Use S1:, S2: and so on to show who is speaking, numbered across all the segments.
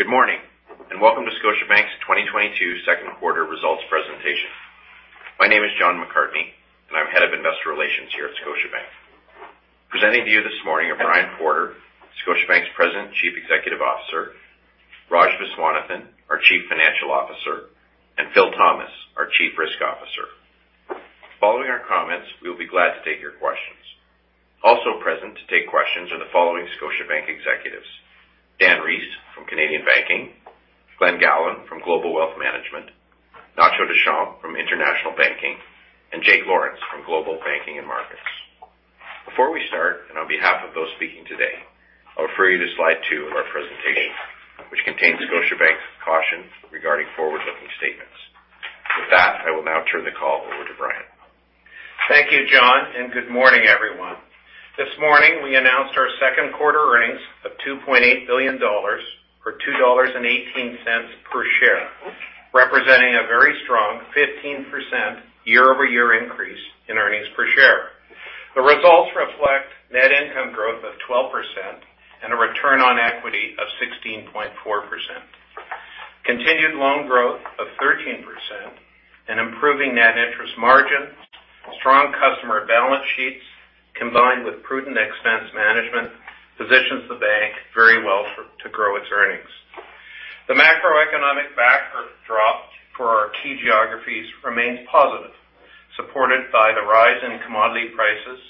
S1: Good morning, and welcome to Scotiabank's 2022 second quarter results presentation. My name is John McCartney, and I'm Head of Investor Relations here at Scotiabank. Presenting to you this morning are Brian Porter, Scotiabank's President and Chief Executive Officer, Raj Viswanathan, our Chief Financial Officer, and Phil Thomas, our Chief Risk Officer. Following our comments, we will be glad to take your questions. Also present to take questions are the following Scotiabank executives, Dan Rees from Canadian Banking, Glen Gowland from Global Wealth Management, Ignacio Deschamps from International Banking, and Jake Lawrence from Global Banking and Markets. Before we start, and on behalf of those speaking today, I'll refer you to slide two of our presentation, which contains Scotiabank's caution regarding forward-looking statements. With that, I will now turn the call over to Brian.
S2: Thank you, John, and good morning, everyone. This morning, we announced our second quarter earnings of 2.8 billion dollars or 2.18 per share, representing a very strong 15% year-over-year increase in earnings per share. The results reflect net income growth of 12% and a return on equity of 16.4%. Continued loan growth of 13% and improving net interest margin, strong customer balance sheets, combined with prudent expense management positions the bank very well to grow its earnings. The macroeconomic backdrop for our key geographies remains positive, supported by the rise in commodity prices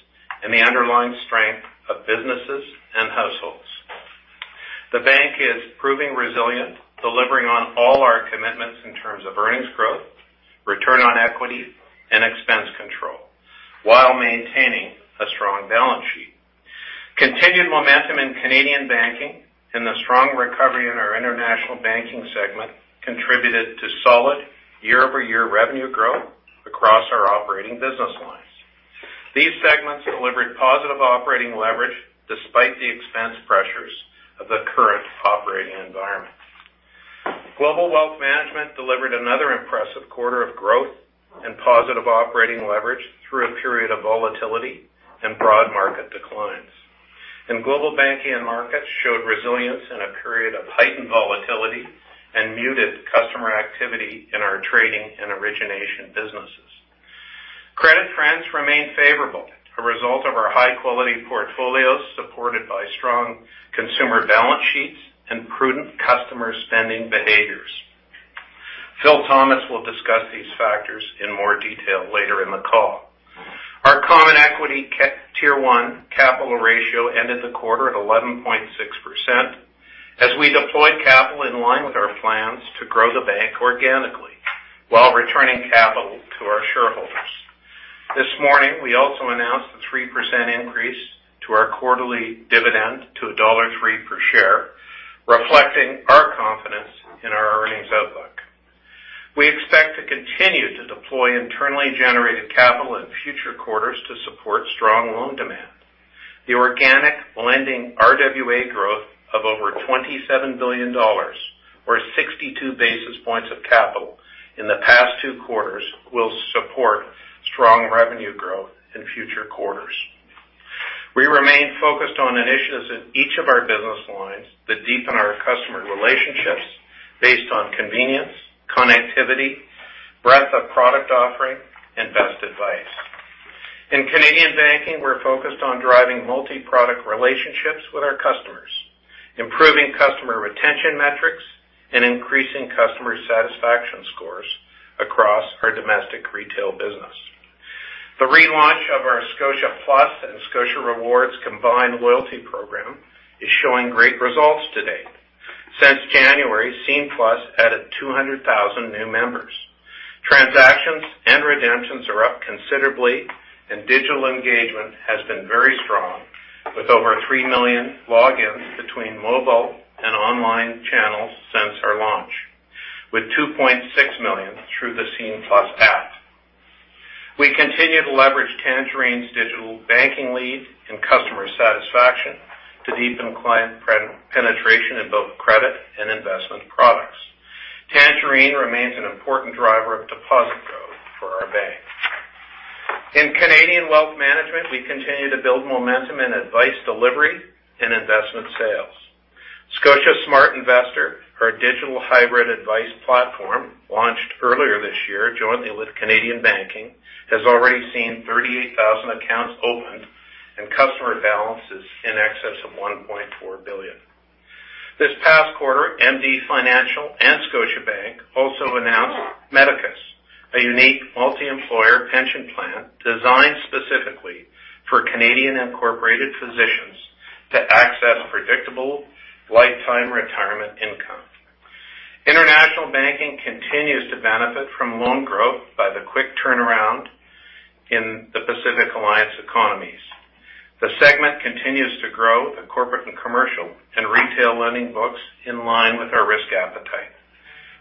S2: and the underlying strength of businesses and households. The bank is proving resilient, delivering on all our commitments in terms of earnings growth, return on equity, and expense control while maintaining a strong balance sheet. Continued momentum in Canadian Banking and the strong recovery in our International Banking segment contributed to solid year-over-year revenue growth across our operating business lines. These segments delivered positive operating leverage despite the expense pressures of the current operating environment. Global Wealth Management delivered another impressive quarter of growth and positive operating leverage through a period of volatility and broad market declines. Global Banking and Markets showed resilience in a period of heightened volatility and muted customer activity in our trading and origination businesses. Credit trends remain favorable, a result of our high-quality portfolios supported by strong consumer balance sheets and prudent customer spending behaviors. Phil Thomas will discuss these factors in more detail later in the call. Our Common Equity Tier 1 capital ratio ended the quarter at 11.6% as we deployed capital in line with our plans to grow the bank organically while returning capital to our shareholders. This morning, we also announced the 3% increase to our quarterly dividend to dollar 1.03 per share, reflecting our confidence in our earnings outlook. We expect to continue to deploy internally generated capital in future quarters to support strong loan demand. The organic lending RWA growth of over 27 billion dollars or 62 basis points of capital in the past two quarters will support strong revenue growth in future quarters. We remain focused on initiatives in each of our business lines that deepen our customer relationships based on convenience, connectivity, breadth of product offering, and best advice. In Canadian banking, we're focused on driving multi-product relationships with our customers, improving customer retention metrics, and increasing customer satisfaction scores across our domestic retail business. The relaunch of our Scene+ and Scotia Rewards combined loyalty program is showing great results to date. Since January, Scene+ added 200,000 new members. Transactions and redemptions are up considerably, and digital engagement has been very strong with over three million logins between mobile and online channels since our launch, with 2.6 million through the Scene+ app. We continue to leverage Tangerine's digital banking lead and customer satisfaction to deepen client penetration in both credit and investment products. Tangerine remains an important driver of deposit growth for our bank. In Canadian wealth management, we continue to build momentum in advice delivery and investment sales. Scotia Smart Investor, our digital hybrid advice platform, launched earlier this year, joined with Canadian Banking, has already seen 38,000 accounts opened and customer balances in excess of 1.4 billion. This past quarter, MD Financial and Scotiabank also announced Medicus Pension Plan, a unique multi-employer pension plan designed specifically for Canadian physicians to access predictable lifetime retirement income. International Banking continues to benefit from loan growth by the quick turnaround in the Pacific Alliance economies. The segment continues to grow the corporate and commercial and retail lending books in line with our risk appetite.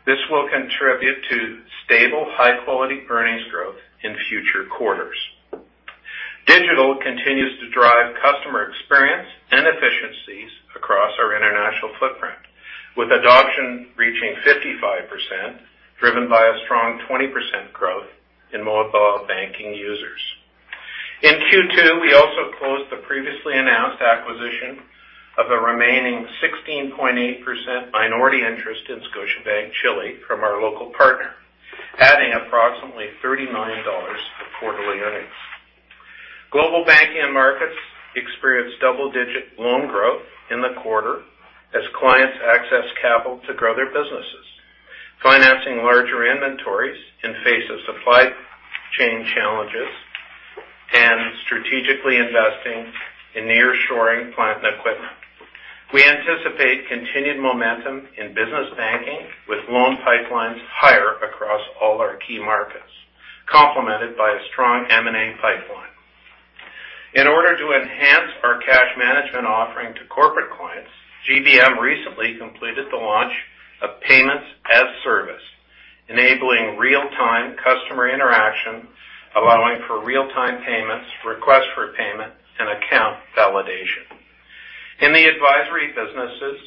S2: This will contribute to stable, high-quality earnings growth in future quarters. Digital continues to drive customer experience and efficiencies across our international footprint, with adoption reaching 55%, driven by a strong 20% growth in mobile banking users. In Q2, we also closed the previously announced acquisition of the remaining 16.8% minority interest in Scotiabank Chile from our local partner, adding approximately 30 million dollars of quarterly earnings. Global Banking and Markets experienced double-digit loan growth in the quarter as clients access capital to grow their businesses, financing larger inventories in face of supply chain challenges and strategically investing in nearshoring plant and equipment. We anticipate continued momentum in business banking with loan pipelines higher across all our key markets, complemented by a strong M&A pipeline. In order to enhance our cash management offering to corporate clients, GBM recently completed the launch of Payments as a Service, enabling real-time customer interaction, allowing for real-time payments, request for payment, and account validation. In the advisory businesses,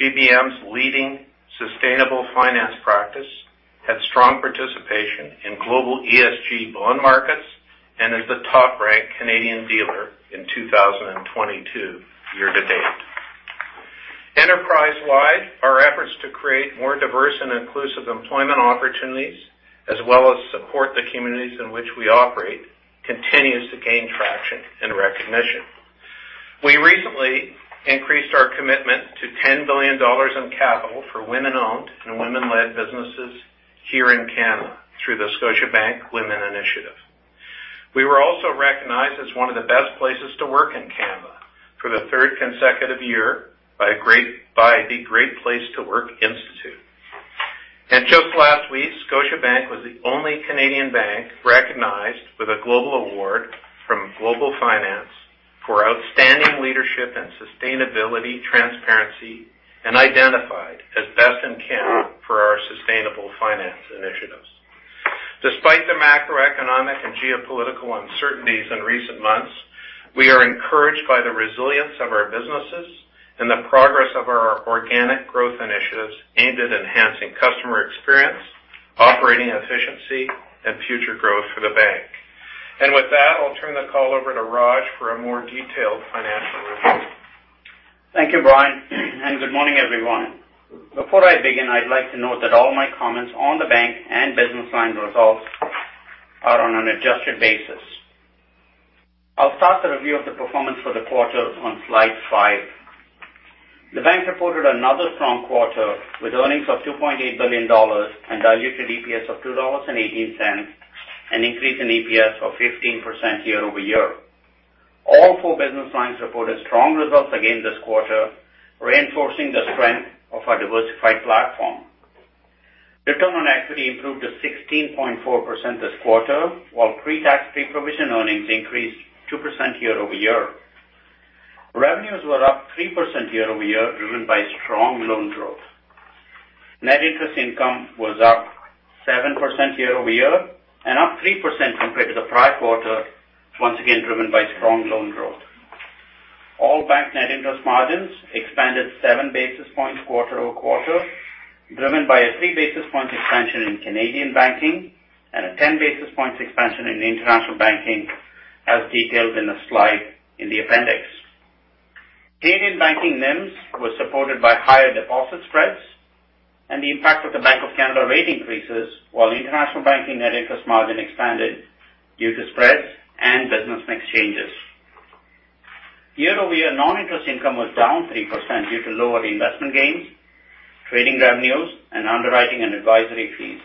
S2: GBM's leading sustainable finance practice had strong participation in global ESG bond markets and is the top-ranked Canadian dealer in 2022 year to date. Enterprise-wide, our efforts to create more diverse and inclusive employment opportunities, as well as support the communities in which we operate, continues to gain traction and recognition. We recently increased our commitment to 10 billion dollars in capital for women-owned and women-led businesses here in Canada through The Scotiabank Women Initiative. We were also recognized as one of the best places to work in Canada for the third consecutive year by the Great Place to Work Institute. Just last week, Scotiabank was the only Canadian bank recognized with a global award from Global Finance for outstanding leadership and sustainability, transparency, and identified as best in Canada for our sustainable finance initiatives. Despite the macroeconomic and geopolitical uncertainties in recent months, we are encouraged by the resilience of our businesses and the progress of our organic growth initiatives aimed at enhancing customer experience, operating efficiency, and future growth for the bank. With that, I'll turn the call over to Raj for a more detailed financial review.
S3: Thank you, Brian, and good morning, everyone. Before I begin, I'd like to note that all my comments on the bank and business line results are on an adjusted basis. I'll start the review of the performance for the quarter on slide five. The bank reported another strong quarter with earnings of 2.8 billion dollars and diluted EPS of 2.18 dollars, an increase in EPS of 15% year-over-year. All four business lines reported strong results again this quarter, reinforcing the strength of our diversified platform. Return on equity improved to 16.4% this quarter, while pre-tax pre-provision earnings increased 2% year-over-year. Revenues were up 3% year-over-year, driven by strong loan growth. Net interest income was up 7% year-over-year and up 3% compared to the prior quarter, once again driven by strong loan growth. All bank net interest margins expanded 7 basis points quarter-over-quarter, driven by a 3 basis point expansion in Canadian banking and a 10 basis points expansion in international banking, as detailed in the slide in the appendix. Canadian banking NIMs were supported by higher deposit spreads and the impact of the Bank of Canada rate increases while international banking net interest margin expanded due to spreads and business mix changes. Year-over-year, non-interest income was down 3% due to lower investment gains, trading revenues, and underwriting and advisory fees,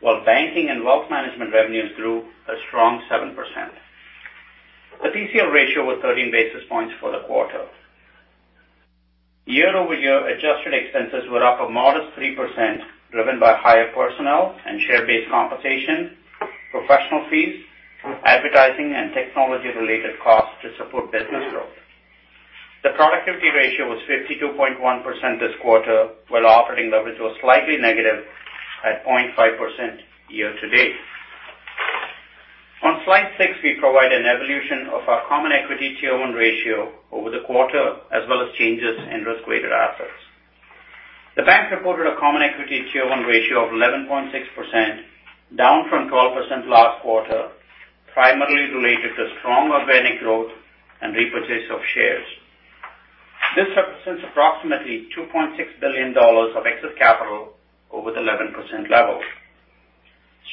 S3: while banking and wealth management revenues grew a strong 7%. The PCL ratio was 13 basis points for the quarter. Year-over-year, adjusted expenses were up a modest 3%, driven by higher personnel and share-based compensation, professional fees, advertising, and technology-related costs to support business growth. The productivity ratio was 52.1% this quarter, while operating leverage was slightly negative at 0.5% year-to-date. On slide 6, we provide an evolution of our common equity Tier 1 ratio over the quarter as well as changes in risk-weighted assets. The Bank reported a common equity Tier 1 ratio of 11.6%, down from 12% last quarter, primarily related to strong organic growth and repurchase of shares. This represents approximately 2.6 billion dollars of excess capital over the 11% level.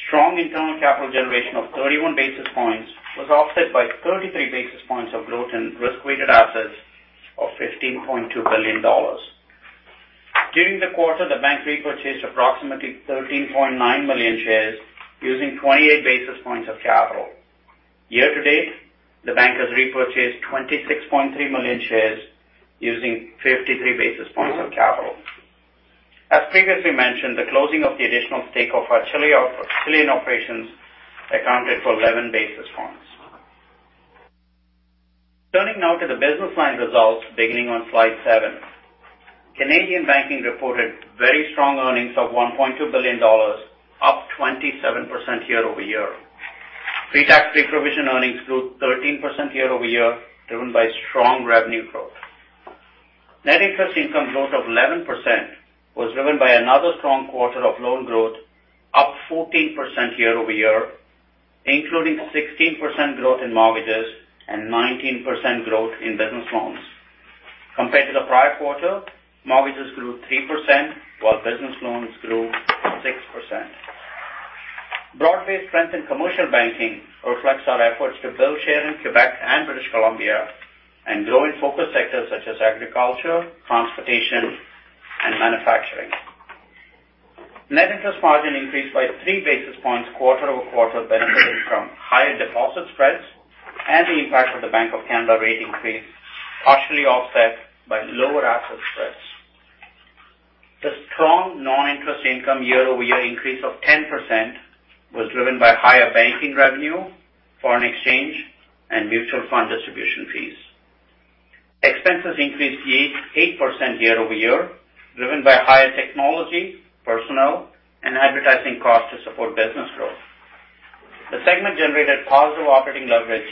S3: Strong internal capital generation of 31 basis points was offset by 33 basis points of growth in risk-weighted assets of 15.2 billion dollars. During the quarter, the bank repurchased approximately 13.9 million shares using 28 basis points of capital. Year to date, the bank has repurchased 26.3 million shares using 53 basis points of capital. As previously mentioned, the closing of the additional stake of our Chilean operations accounted for 11 basis points. Turning now to the business line results beginning on slide seven. Canadian Banking reported very strong earnings of 1.2 billion dollars, up 27% year-over-year. Pre-tax pre-provision earnings grew 13% year-over-year, driven by strong revenue growth. Net interest income growth of 11% was driven by another strong quarter of loan growth, up 14% year-over-year, including 16% growth in mortgages and 19% growth in business loans. Compared to the prior quarter, mortgages grew 3% while business loans grew 6%. Broad-based strength in commercial banking reflects our efforts to build share in Quebec and British Columbia and grow in focus sectors such as agriculture, transportation, and manufacturing. Net interest margin increased by 3 basis points quarter-over-quarter, benefiting from higher deposit spreads and the impact of the Bank of Canada rate increase, partially offset by lower asset spreads. The strong non-interest income year-over-year increase of 10% was driven by higher banking revenue, foreign exchange, and mutual fund distribution fees. Expenses increased 8% year-over-year, driven by higher technology, personnel, and advertising costs to support business growth. The segment generated positive operating leverage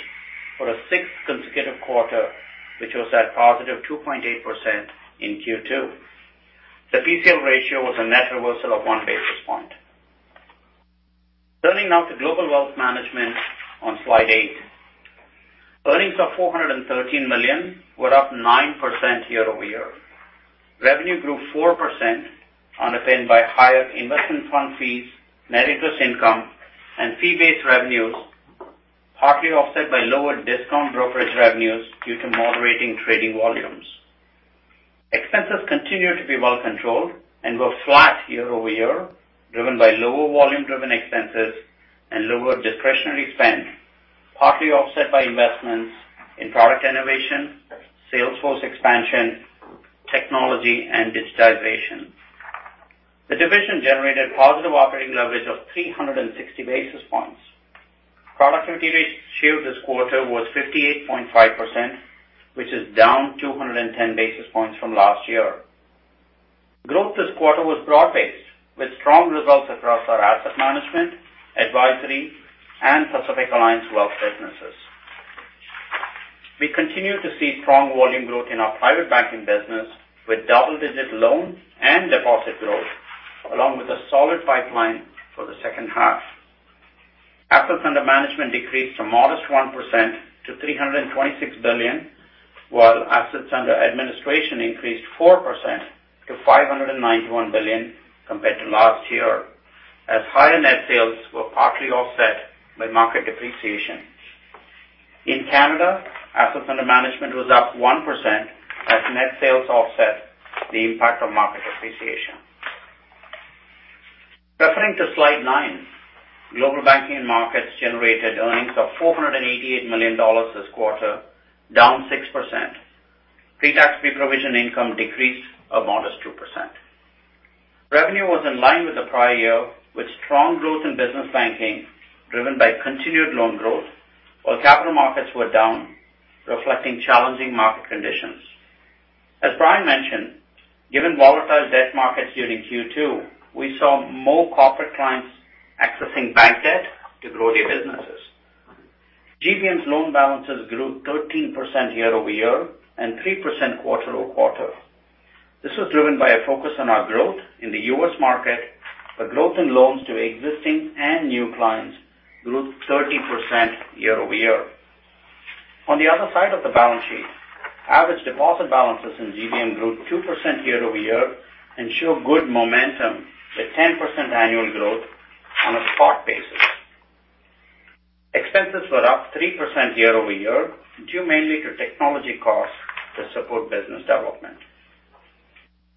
S3: for the sixth consecutive quarter, which was at positive 2.8% in Q2. The PCL ratio was a net reversal of 1 basis point. Turning now to Global Wealth Management on slide eight. Earnings of 413 million were up 9% year-over-year. Revenue grew 4% underpinned by higher investment fund fees, net interest income, and fee-based revenues, partly offset by lower discount brokerage revenues due to moderating trading volumes. Expenses continued to be well controlled and were flat year-over-year, driven by lower volume-driven expenses and lower discretionary spend, partly offset by investments in product innovation, salesforce expansion, technology, and digitization. The division generated positive operating leverage of 360 basis points. Productivity ratio this quarter was 58.5%, which is down 210 basis points from last year. Growth this quarter was broad-based with strong results across our asset management, advisory, and Pacific Alliance wealth businesses. We continue to see strong volume growth in our private banking business with double-digit loan and deposit growth, along with a solid pipeline for the second half. Assets under management decreased a modest 1% to 326 billion, while assets under administration increased 4% to 591 billion compared to last year as higher net sales were partly offset by market depreciation. In Canada, assets under management was up 1% as net sales offset the impact of market depreciation. Referring to slide nine. Global Banking and Markets generated earnings of 488 million dollars this quarter, down 6%. Pre-tax pre-provision income decreased a modest 2%. Revenue was in line with the prior year, with strong growth in business banking driven by continued loan growth, while capital markets were down, reflecting challenging market conditions. As Brian mentioned, given volatile debt markets during Q2, we saw more corporate clients accessing bank debt to grow their businesses. GBM's loan balances grew 13% year-over-year and 3% quarter-over-quarter. This was driven by a focus on our growth in the U.S. market, where growth in loans to existing and new clients grew 30% year-over-year. On the other side of the balance sheet, average deposit balances in GBM grew 2% year-over-year and show good momentum with 10% annual growth on a spot basis. Expenses were up 3% year-over-year, due mainly to technology costs to support business development.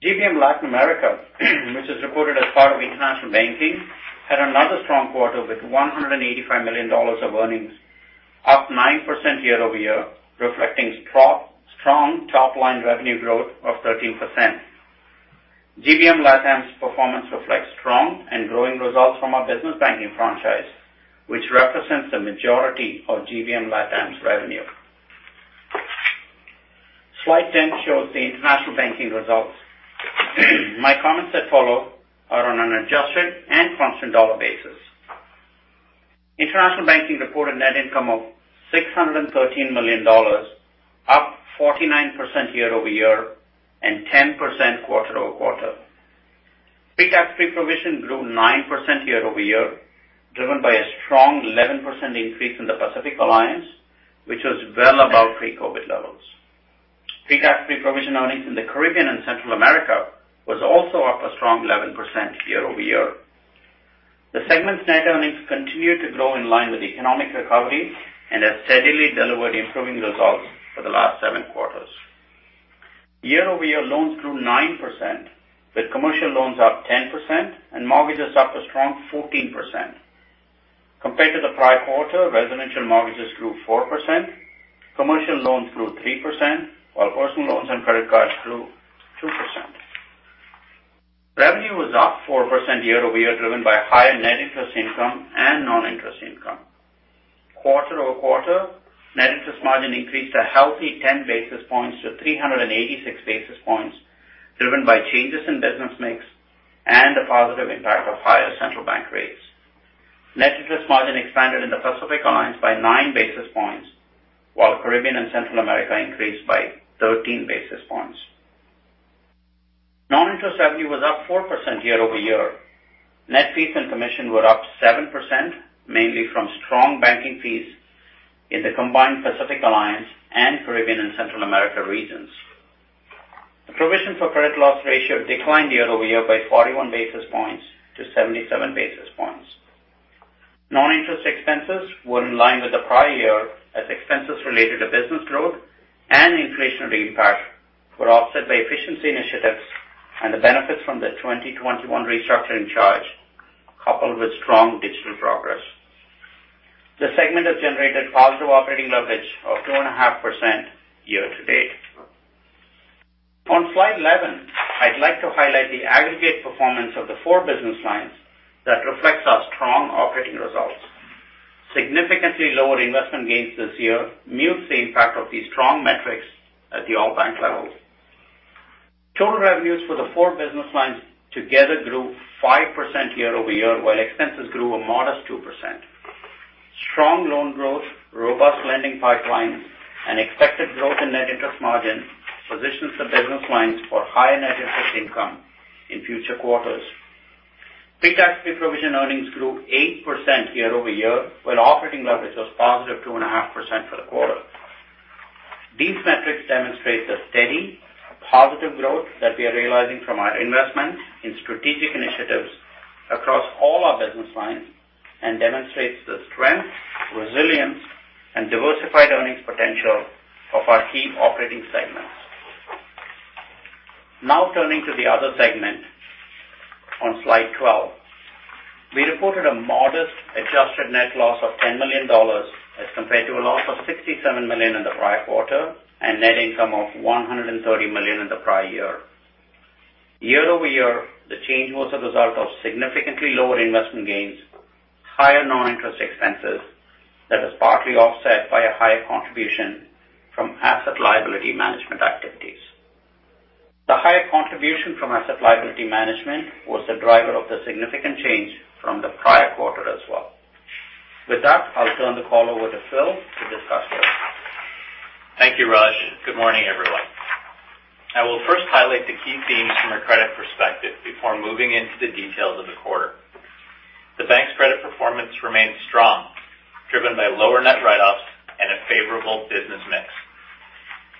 S3: GBM Latin America, which is reported as part of International Banking, had another strong quarter with 185 million dollars of earnings, up 9% year-over-year, reflecting strong top line revenue growth of 13%. GBM LatAm's performance reflects strong and growing results from our business banking franchise, which represents the majority of GBM LatAm's revenue. Slide 10 shows the international banking results. My comments that follow are on an adjusted and constant dollar basis. International Banking reported net income of 613 million dollars, up 49% year-over-year and 10% quarter-over-quarter. Pretax preprovision grew 9% year-over-year, driven by a strong 11% increase in the Pacific Alliance, which was well above pre-COVID levels. Pretax preprovision earnings in the Caribbean and Central America was also up a strong 11% year-over-year. The segment's net earnings continue to grow in line with economic recovery and has steadily delivered improving results for the last seven quarters. Year-over-year loans grew 9%, with commercial loans up 10% and mortgages up a strong 14%. Compared to the prior quarter, residential mortgages grew 4%, commercial loans grew 3%, while personal loans and credit cards grew 2%. Revenue was up 4% year-over-year, driven by higher net interest income and non-interest income. Quarter-over-quarter, net interest margin increased a healthy 10 basis points to 386 basis points, driven by changes in business mix and a positive impact of higher central bank rates. Net interest margin expanded in the Pacific Alliance by 9 basis points, while Caribbean and Central America increased by 13 basis points. Non-interest revenue was up 4% year-over-year. Net fees and commission were up 7%, mainly from strong banking fees in the combined Pacific Alliance and Caribbean and Central America regions. The provision for credit loss ratio declined year-over-year by 41 basis points to 77 basis points. Non-interest expenses were in line with the prior year as expenses related to business growth and inflationary impact were offset by efficiency initiatives and the benefits from the 2021 restructuring charge, coupled with strong digital progress. The segment has generated positive operating leverage of 2.5% year-to-date. On slide 11, I'd like to highlight the aggregate performance of the four business lines that reflects our strong operating results. Significantly lower investment gains this year mute the impact of these strong metrics at the all bank levels. Total revenues for the four business lines together grew 5% year-over-year, while expenses grew a modest 2%. Strong loan growth, robust lending pipelines, and expected growth in net interest margin positions the business lines for higher net interest income in future quarters. Pretax pre-provision earnings grew 8% year-over-year, while operating leverage was positive 2.5% for the quarter. These metrics demonstrate the steady positive growth that we are realizing from our investment in strategic initiatives across all our business lines and demonstrates the strength, resilience, and diversified earnings potential of our key operating segments. Now turning to the other segment on slide 12. We reported a modest adjusted net loss of 10 million dollars as compared to a loss of 67 million in the prior quarter and net income of 130 million in the prior year. Year-over-year, the change was a result of significantly lower investment gains, higher non-interest expenses that was partly offset by a higher contribution from asset liability management activities. The higher contribution from asset liability management was the driver of the significant change from the prior quarter as well. With that, I'll turn the call over to Phil to discuss this.
S4: Thank you, Raj. Good morning, everyone. I will first highlight the key themes from a credit perspective before moving into the details of the quarter. The bank's credit performance remained strong, driven by lower net write-offs and a favorable business mix.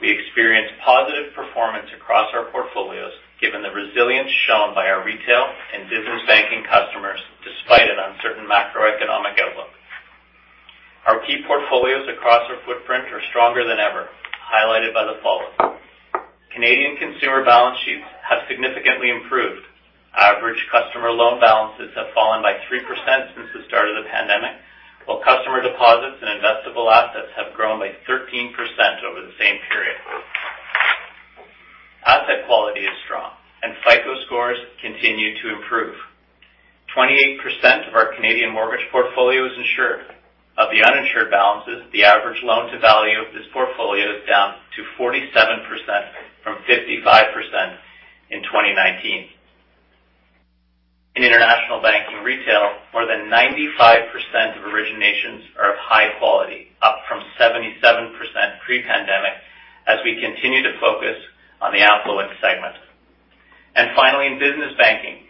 S4: We experienced positive performance across our portfolios, given the resilience shown by our retail and business banking customers despite an uncertain macroeconomic outlook. Our key portfolios across our footprint are stronger than ever, highlighted by the following. Canadian consumer balance sheets have significantly improved. Average customer loan balances have fallen by 3% since the start of the pandemic, while customer deposits and investable assets have grown by 13% over the same period. Asset quality is strong and FICO scores continue to improve. 28% of our Canadian mortgage portfolio is insured. Of the uninsured balances, the average loan to value of this portfolio is down to 47% from 55% in 2019. In International Banking retail, more than 95% of originations are of high quality, up from 77% pre-pandemic as we continue to focus on the affluent segment. Finally, in business banking,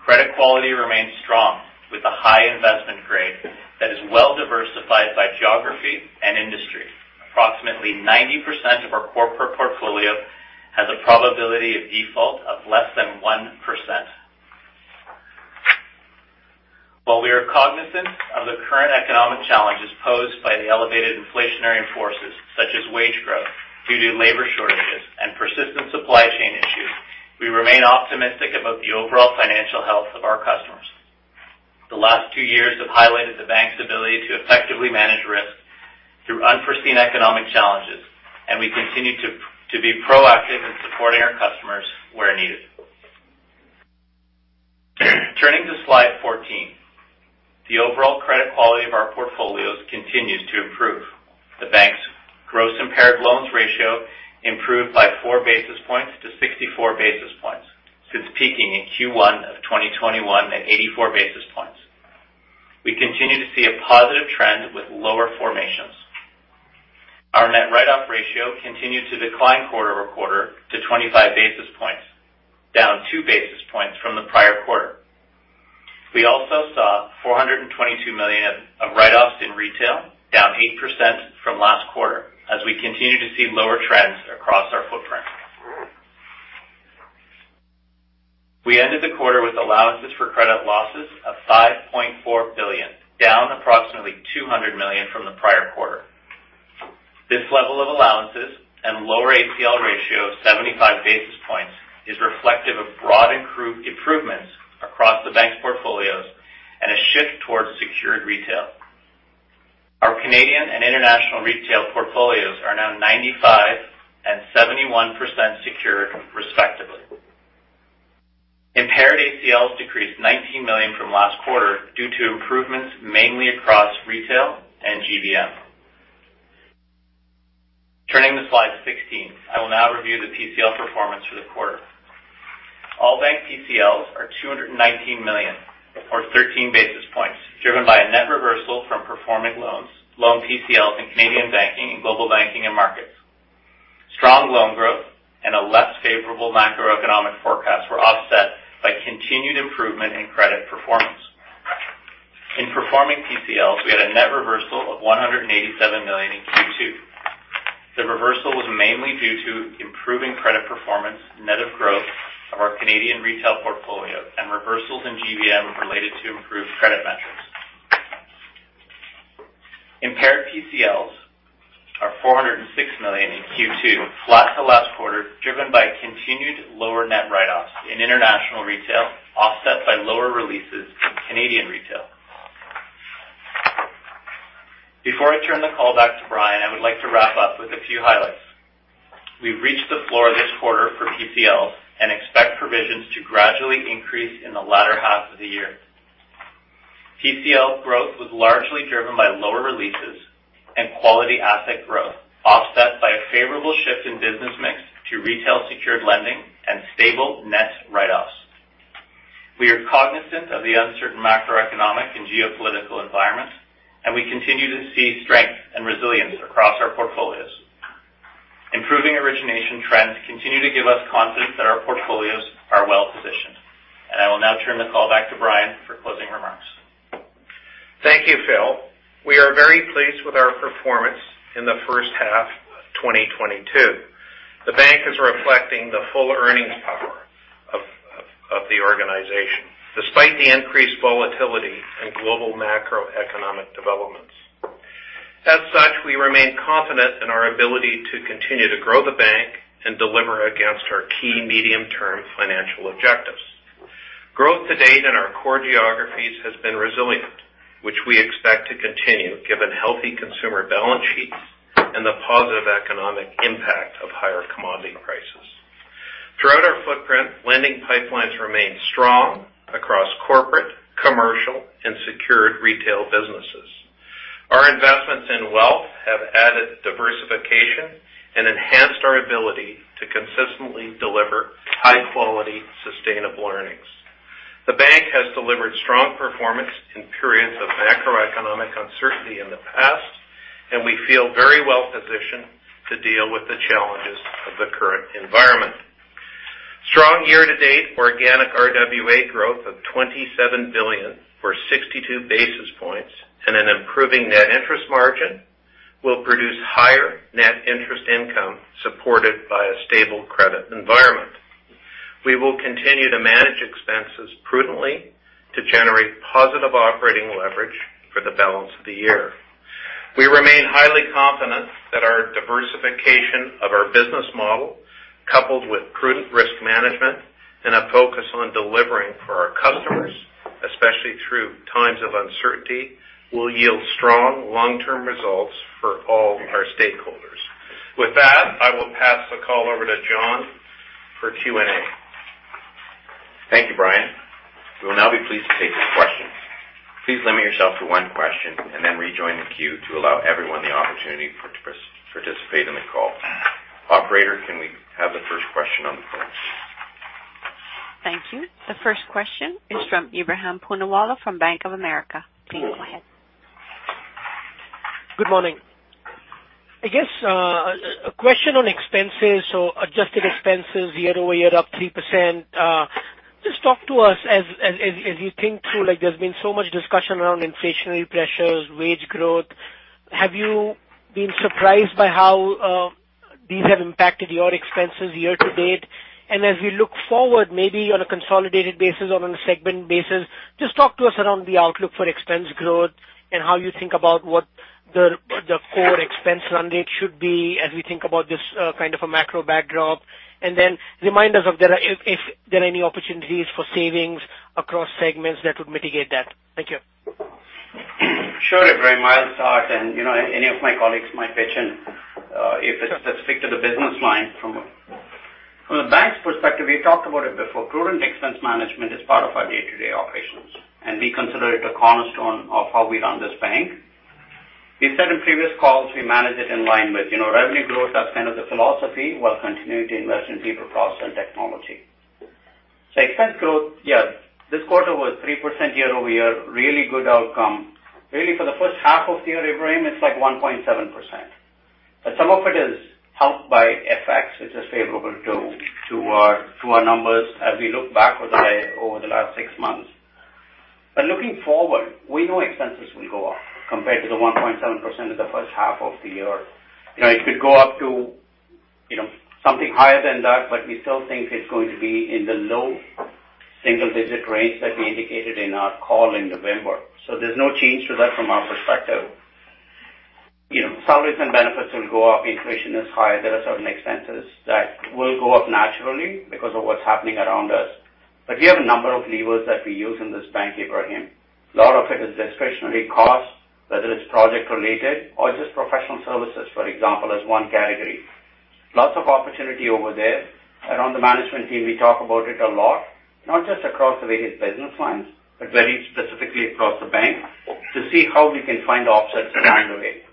S4: credit quality remains strong with a high investment grade that is well diversified by geography and industry. Approximately 90% of our corporate portfolio has a probability of default of less than 1%. While we are cognizant of the current economic challenges posed by the elevated inflationary forces, such as wage growth due to labor shortages and persistent supply chain issues, we remain optimistic about the overall financial health of our customers. The last two years have highlighted the bank's ability to effectively manage risk through unforeseen economic challenges, and we continue to be proactive in supporting our customers where needed. Turning to slide 14. The overall credit quality of our portfolios continues to improve. The bank's gross impaired loans ratio improved by 4 basis points to 64 basis points since peaking in Q1 of 2021 at 84 basis points. We continue to see a positive trend with lower formations. Our net write-off ratio continued to decline quarter-over-quarter to 25 basis points, down 2 basis points from the prior quarter. We also saw 422 million of write-offs in retail, down 8% from last quarter as we continue to see lower trends across our footprint. We ended the quarter with allowances for credit losses of 5.4 billion, down approximately 200 million from the prior quarter. This level of allowances and lower ACL ratio of 75 basis points is reflective of broad improvements across the bank's portfolios and a shift towards secured retail. Our Canadian and international retail portfolios are now 95% and 71% secured, respectively. Impaired ACLs decreased 19 million from last quarter due to improvements mainly across retail and GBM. Turning to slide 16, I will now review the PCL performance for the quarter. All bank PCLs are 219 million or 13 basis points, driven by a net reversal from performing loans, loan PCLs in Canadian banking and global banking and markets. Strong loan growth and a less favorable macroeconomic forecast were offset by continued improvement in credit performance. In performing PCLs, we had a net reversal of 187 million in Q2. The reversal was mainly due to improving credit performance, net of growth of our Canadian retail portfolio and reversals in GBM related to improved credit metrics. Impaired PCLs are 406 million in Q2, flat to last quarter, driven by continued lower net write-offs in international retail, offset by lower releases in Canadian retail. Before I turn the call back to Brian, I would like to wrap up with a few highlights. We've reached the floor this quarter for PCLs and expect provisions to gradually increase in the latter half of the year. PCL growth was largely driven by lower releases and quality asset growth, offset by a favorable shift in business mix to retail secured lending and stable net write-offs. We are cognizant of the uncertain macroeconomic and geopolitical environment, and we continue to see strength and resilience across our portfolios. Improving origination trends continue to give us confidence that our portfolios are well-positioned. I will now turn the call back to Brian for closing remarks.
S2: Thank you, Phil. We are very pleased with our performance in the first half of 2022. The bank is reflecting the full earnings power of the organization, despite the increased volatility in global macroeconomic developments. As such, we remain confident in our ability to continue to grow the bank and deliver against our key medium-term financial objectives. Growth to date in our core geographies has been resilient, which we expect to continue given healthy consumer balance sheets and the positive economic impact of higher commodity prices. Throughout our footprint, lending pipelines remain strong across corporate, commercial, and secured retail businesses. Our investments in wealth have added diversification and enhanced our ability to consistently deliver high quality, sustainable earnings. The bank has delivered strong performance in periods of macroeconomic uncertainty in the past, and we feel very well positioned to deal with the challenges of the current environment. Strong year-to-date organic RWA growth of 27 billion for 62 basis points and an improving net interest margin will produce higher net interest income supported by a stable credit environment. We will continue to manage expenses prudently to generate positive operating leverage for the balance of the year. We remain highly confident that our diversification of our business model, coupled with prudent risk management and a focus on delivering for our customers, especially through times of uncertainty, will yield strong long-term results for all our stakeholders. With that, I will pass the call over to John for Q&A.
S1: Thank you, Brian. We will now be pleased to take some questions. Please limit yourself to one question and then rejoin the queue to allow everyone the opportunity to participate in the call. Operator, can we have the first question on the phone?
S5: Thank you. The first question is from Ebrahim Poonawala from Bank of America. Please go ahead.
S6: Good morning. I guess a question on expenses. Adjusted expenses year-over-year, up 3%. Just talk to us as you think through, like, there's been so much discussion around inflationary pressures, wage growth. Have you been surprised by how these have impacted your expenses year to date? As we look forward, maybe on a consolidated basis or on a segment basis, just talk to us around the outlook for expense growth and how you think about what the core expense run rate should be as we think about this kind of a macro backdrop. Remind us if there are any opportunities for savings across segments that would mitigate that. Thank you.
S2: Sure, Ebrahim. I'll start, and you know, any of my colleagues might pitch in if it's specific to the business line. From the bank's perspective, we talked about it before. Prudent expense management is part of our day-to-day operations, and we consider it a cornerstone of how we run this bank. We've said in previous calls, we manage it in line with you know, revenue growth. That's kind of the philosophy, while continuing to invest in people, process, and technology. Expense growth, yes, this quarter was 3% year-over-year, really good outcome. Really for the first half of the year, Ebrahim, it's like 1.7%. But some of it is helped by FX, which is favorable to our numbers as we look back over the last six months. Looking forward, we know expenses will go up compared to the 1.7% of the first half of the year. You know, it could go up to, you know, something higher than that, but we still think it's going to be in the low single digit range that we indicated in our call in November. There's no change to that from our perspective. You know, salaries and benefits will go up. Inflation is higher. There are certain expenses that will go up naturally because of what's happening around us. We have a number of levers that we use in this bank, Ebrahim. A lot of it is discretionary costs, whether it's project related or just professional services, for example, as one category. Lots of opportunity over there. Around the management team, we talk about it a lot, not just across the various business lines, but very specifically across the bank to see how we can find offsets to handle it.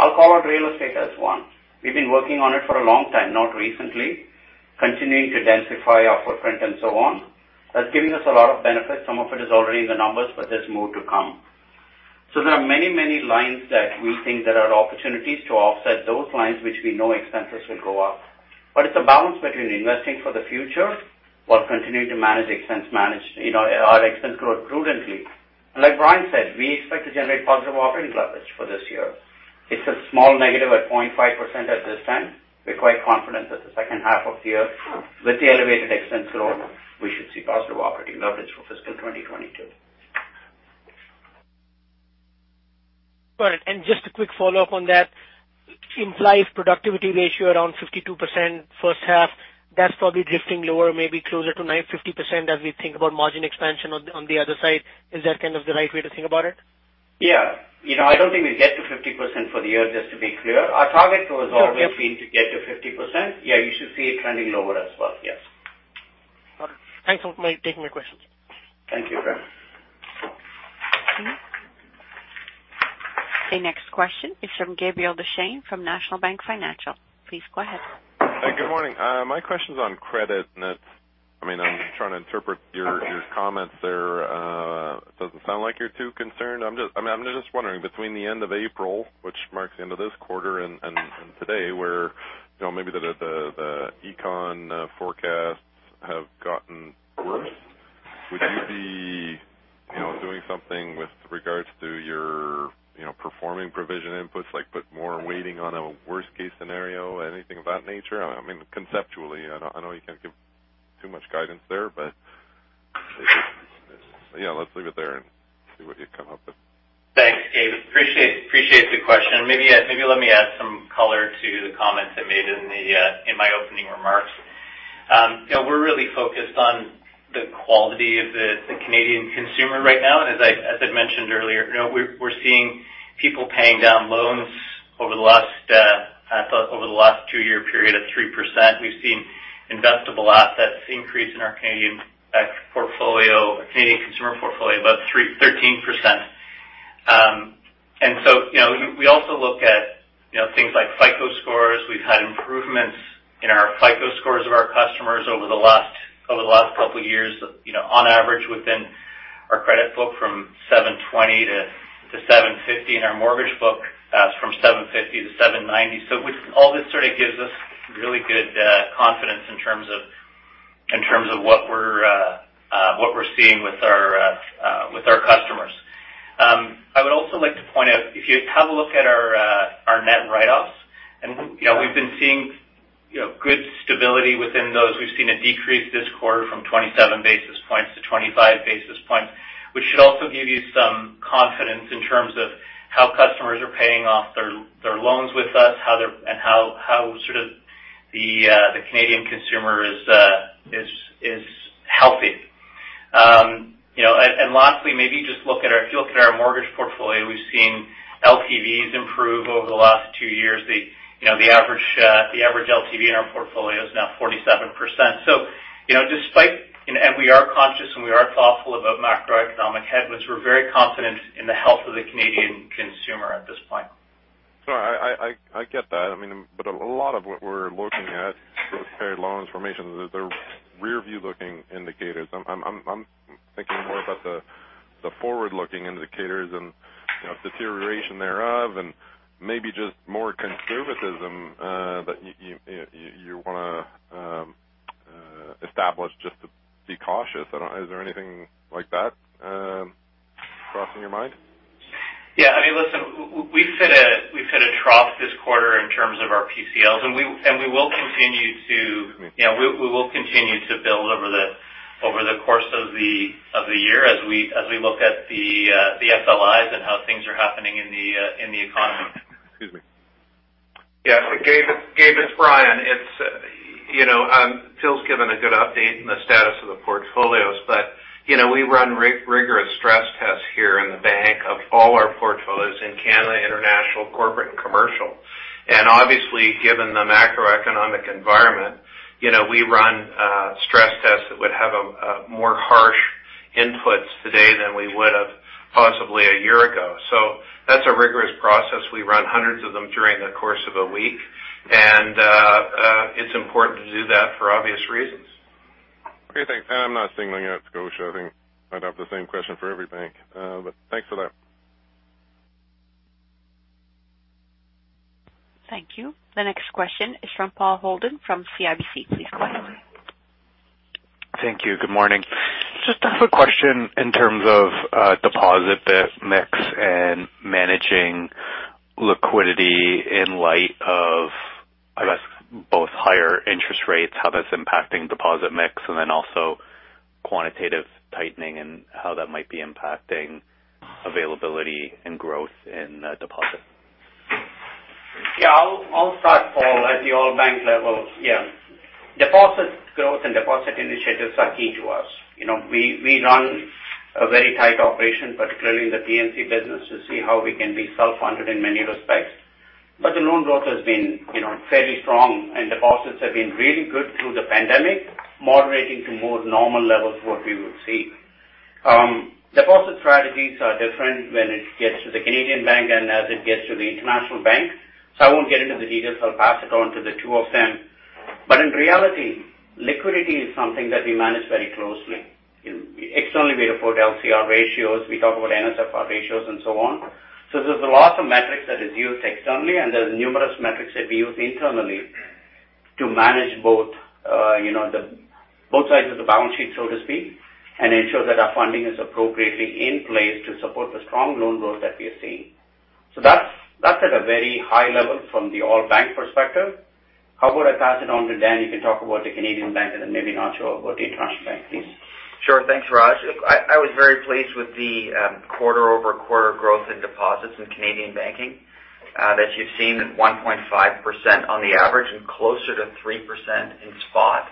S2: I'll call out real estate as one. We've been working on it for a long time, not recently, continuing to densify our footprint and so on. That's giving us a lot of benefits. Some of it is already in the numbers, but there's more to come. There are many, many lines that we think there are opportunities to offset those lines, which we know expenses will go up. It's a balance between investing for the future while continuing to manage expense, you know, our expense growth prudently. Like Brian said, we expect to generate positive operating leverage for this year. It's a small negative at 0.5% at this time. We're quite confident that the second half of the year, with the elevated expense growth, we should see positive operating leverage for fiscal 2022.
S6: All right. Just a quick follow-up on that. Implied productivity ratio around 52% first half, that's probably drifting lower, maybe closer to 49.5% as we think about margin expansion on the other side. Is that kind of the right way to think about it?
S2: Yeah. You know, I don't think we get to 50% for the year, just to be clear. Our target has always been to get to 50%. Yeah, you should see it trending lower as well. Yes.
S6: Got it. Thanks for taking my questions.
S2: Thank you, Ebrahim.
S5: The next question is from Gabriel Dechaine from National Bank Financial. Please go ahead.
S7: Hi, good morning. My question's on credit, I mean, I'm trying to interpret your comments there. Doesn't sound like you're too concerned. I mean, I'm just wondering, between the end of April, which marks the end of this quarter, and today, where you know, maybe the econ forecasts have gotten worse, would you be you know, doing something with regards to your you know, performing provision inputs, like put more weighting on a worst-case scenario, anything of that nature? I mean, conceptually, I know you can't give too much guidance there, but yeah, let's leave it there and see what you come up with.
S4: Thanks, Gabe. Appreciate the question. Maybe let me add some color to the comments I made in my opening remarks. You know, we're really focused on the quality of the Canadian consumer right now. As I'd mentioned earlier, you know, we're seeing people paying down loans over the last, I thought over the last two-year period of 3%. We've seen investable assets increase in our Canadian portfolio, Canadian consumer portfolio, about 13%. You know, we also look at things like FICO scores. We've had improvements in our FICO scores of our customers over the last couple years of, you know, on average within our credit book from 720 to 750, and our mortgage book from 750 to 790. All this sort of gives us really good confidence in terms of what we're seeing with our customers. I would also like to point out, if you have a look at our net write-offs, you know, we've been seeing, you know, good stability within those. We've seen a decrease this quarter from 27 basis points to 25 basis points, which should also give you some confidence in terms of how customers are paying off their loans with us, how they're and how sort of the Canadian consumer is healthy. You know, lastly, maybe just look at our mortgage portfolio, we've seen LTVs improve over the last two years. You know, the average LTV in our portfolio is now 47%. You know, despite, we are conscious and we are thoughtful about macroeconomic headwinds, we're very confident in the health of the Canadian consumer at this point.
S7: No, I get that. I mean, but a lot of what we're looking at with paired loans information is they're rear-view looking indicators. I'm thinking more about the forward-looking indicators and, you know, deterioration thereof and maybe just more conservatism that you wanna establish just to be cautious. I don't know. Is there anything like that crossing your mind?
S4: I mean, listen, we’ve hit a trough this quarter in terms of our PCLs, and we will continue to, you know, build over the course of the year as we look at the FLIs and how things are happening in the economy.
S7: Excuse me.
S2: Yeah. Gabe, it's Brian. It's you know Phil's given a good update on the status of the portfolios. You know, we run rigorous stress tests here in the bank of all our portfolios in Canada, international, corporate, and commercial. Obviously, given the macroeconomic environment, you know, we run stress tests that would have a more harsh inputs today than we would have possibly a year ago. That's a rigorous process. We run hundreds of them during the course of a week. It's important to do that for obvious reasons.
S7: Okay, thanks. I'm not singling out Scotiabank. I think I'd have the same question for every bank. Thanks for that.
S5: Thank you. The next question is from Paul Holden from CIBC. Please go ahead.
S8: Thank you. Good morning. Just have a question in terms of, deposit mix and managing liquidity in light of, I guess, both higher interest rates, how that's impacting deposit mix, and then also quantitative tightening and how that might be impacting availability and growth in, deposit.
S2: Yeah. I'll start, Paul, at the whole bank level. Yeah.
S3: Deposit growth and deposit initiatives are key to us. You know, we run a very tight operation, particularly in the P&C business, to see how we can be self-funded in many respects. The loan growth has been, you know, fairly strong, and deposits have been really good through the pandemic, moderating to more normal levels what we would see. Deposit strategies are different when it gets to the Canadian bank and as it gets to the international bank. I won't get into the details. I'll pass it on to the two of them. In reality, liquidity is something that we manage very closely. You know, externally, we report LCR ratios, we talk about NSFR ratios, and so on. There's lots of metrics that is used externally, and there's numerous metrics that we use internally to manage both, you know, the both sides of the balance sheet, so to speak, and ensure that our funding is appropriately in place to support the strong loan growth that we are seeing. That's at a very high level from the all bank perspective. How about I pass it on to Dan? He can talk about the Canadian bank, and then maybe Nacho about the international bank, please.
S9: Sure. Thanks, Raj. I was very pleased with the quarter-over-quarter growth in deposits in Canadian Banking, that you've seen 1.5% on the average and closer to 3% in spot.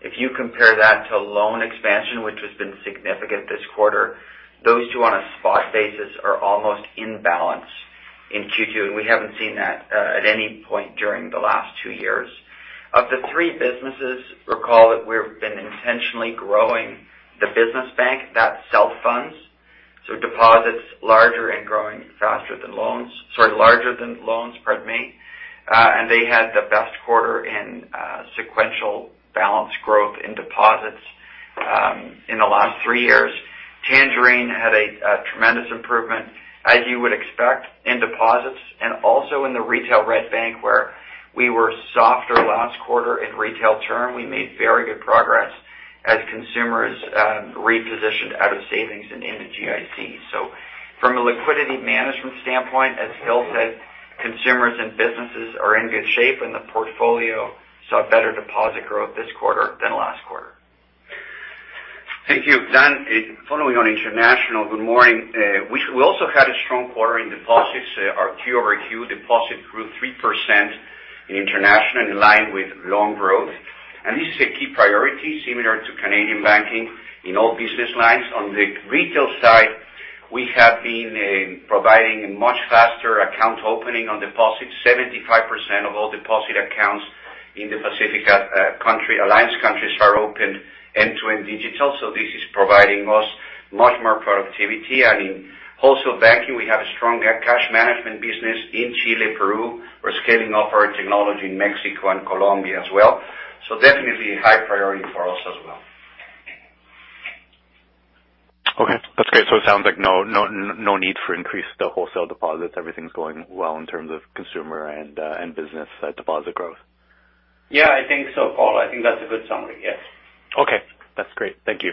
S9: If you compare that to loan expansion, which has been significant this quarter, those two on a spot basis are almost in balance in Q2, and we haven't seen that at any point during the last two years. Of the three businesses, recall that we've been intentionally growing the business bank that self-funds, so deposits larger and growing faster than loans. Sorry, larger than loans, pardon me. They had the best quarter in sequential balance growth in deposits in the last three years. Tangerine had a tremendous improvement, as you would expect in deposits and also in the Retail Red Bank, where we were softer last quarter in retail term. We made very good progress as consumers repositioned out of savings and into GICs. From a liquidity management standpoint, as Phil said, consumers and businesses are in good shape, and the portfolio saw better deposit growth this quarter than last quarter.
S2: Thank you, Dan. Following on international. Good morning. We also had a strong quarter in deposits. Our Q-over-Q deposit grew 3% in international, in line with loan growth. This is a key priority similar to Canadian banking in all business lines. On the retail side, we have been providing much faster account opening on deposits. 75% of all deposit accounts in the Pacific Alliance countries are opened end-to-end digitally, so this is providing us much more productivity. In wholesale banking, we have a stronger cash management business in Chile, Peru. We're scaling up our technology in Mexico and Colombia as well. Definitely a high priority for us as well.
S8: Okay. That's great. It sounds like no need for increased wholesale deposits. Everything's going well in terms of consumer and business deposit growth.
S2: Yeah, I think so, Paul. I think that's a good summary. Yes.
S8: Okay. That's great. Thank you.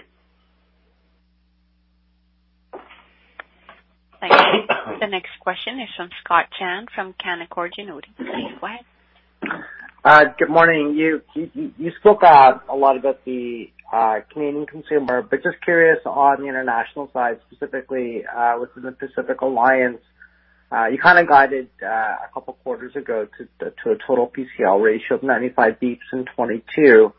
S5: Thank you. The next question is from Scott Chan from Canaccord Genuity. Please go ahead.
S10: Good morning. You spoke a lot about the Canadian consumer, but just curious on the international side, specifically, within the Pacific Alliance, you kind of guided a couple of quarters ago to a total PCL ratio of 95 basis points in 2022,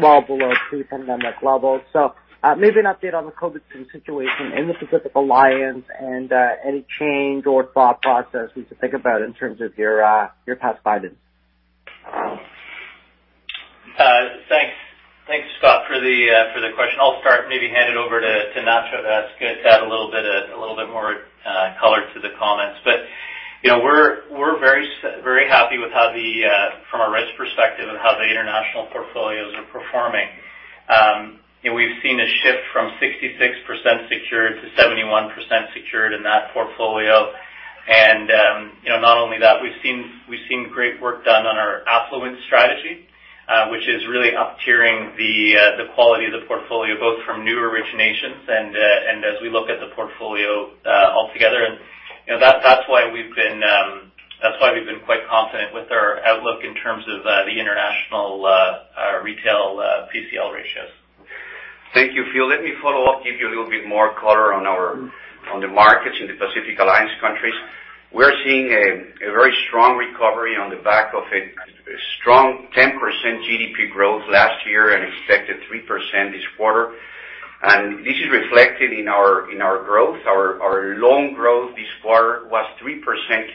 S10: well below pre-pandemic levels. Maybe an update on the COVID situation in the Pacific Alliance and any change or thought process we should think about in terms of your past guidance.
S4: Thanks. Thanks, Scott, for the question. I'll start, maybe hand it over to Nacho to add a little bit more color to the comments. You know, we're very happy with how from a risk perspective of how the international portfolios are performing. We've seen a shift from 66% secured to 71% secured in that portfolio. You know, not only that, we've seen great work done on our affluent strategy, which is really up-tiering the quality of the portfolio, both from new originations and as we look at the portfolio altogether. You know, that's why we've been quite confident with our outlook in terms of the international retail PCL ratios.
S3: Thank you, Phil. Let me follow up, give you a little bit more color on the markets in the Pacific Alliance countries. We're seeing a very strong recovery on the back of a strong 10% GDP growth last year and expected 3% this quarter. This is reflected in our growth. Our loan growth this quarter was 3%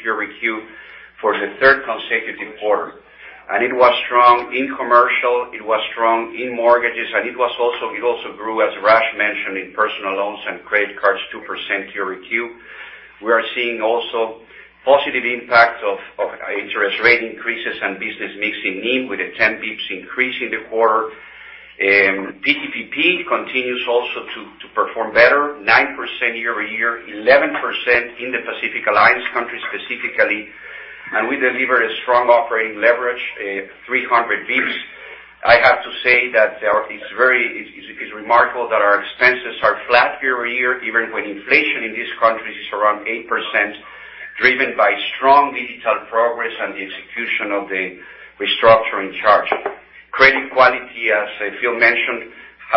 S3: year-over-year for the third consecutive quarter. It was strong in commercial, it was strong in mortgages, and it also grew, as Raj mentioned, in personal loans and credit cards, 2% year-over-year. We are seeing positive impact of interest rate increases and business mix in NIM with a 10 basis points increase in the quarter. PTPP continues also to perform better, 9% year-over-year, 11% in the Pacific Alliance countries specifically. We deliver a strong operating leverage, 300 basis points. I have to say that it's very remarkable that our expenses are flat year-over-year, even when inflation in these countries is around 8%, driven by strong digital progress and the execution of the restructuring charge. Credit quality, as Phil mentioned,